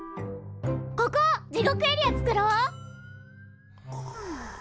ここ地獄エリア作ろう！